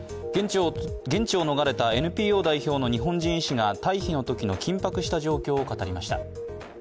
現地を逃れたＮＰＯ代表の日本人医師が退避のときの緊迫した状況を語りました。